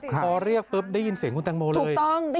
แล้วปรากฏว่า